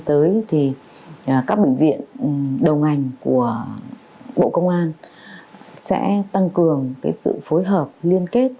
tới thì các bệnh viện đầu ngành của bộ công an sẽ tăng cường sự phối hợp liên kết